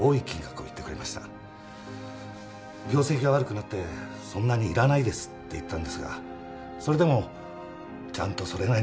業績が悪くなってそんなにいらないですって言ったんですがそれでもちゃんとそれなりの金額をくれました。